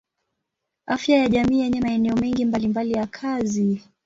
Afya ya jamii yenye maeneo mengi mbalimbali ya kazi.